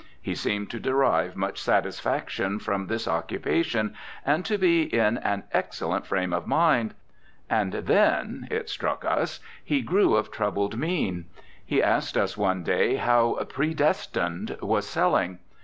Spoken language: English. He seemed to derive much satisfaction from this occupation and to be in an excellent frame of mind. And then, it struck us, he grew of troubled mien. He asked us one day how "Predestined" was selling.